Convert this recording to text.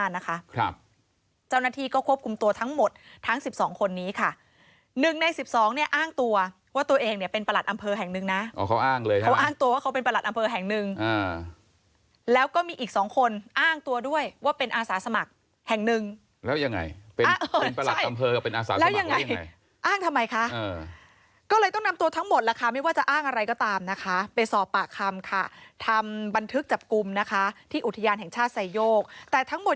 ๑๕นะคะครับเจ้าหน้าที่ก็ควบคุมตัวทั้งหมดทั้ง๑๒คนนี้ค่ะ๑ใน๑๒เนี่ยอ้างตัวว่าตัวเองเนี่ยเป็นประหลัดอำเภอแห่งนึงนะเขาอ้างเลยเขาอ้างตัวว่าเขาเป็นประหลักอำเภอแห่งนึงแล้วก็มีอีก๒คนอ้างตัวด้วยว่าเป็นอาสาสมัครแห่งนึงแล้วยังไงเป็นประหลักอำเภอเป็นอาสาสมัครแล้วยังไงอ้างทำไมคะก็เลยต